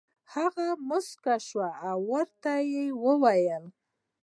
هغه موسکی شو او ورته یې وویل: